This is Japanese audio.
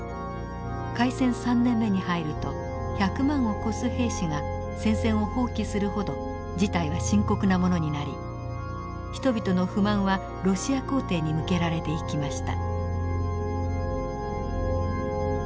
開戦３年目に入ると１００万を超す兵士が戦線を放棄するほど事態は深刻なものになり人々の不満はロシア皇帝に向けられていきました。